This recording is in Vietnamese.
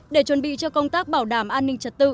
để chuẩn bị cho công tác bảo đảm an ninh trật tự